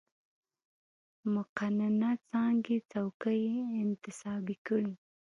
مقننه څانګې څوکۍ یې انتصابي کړې.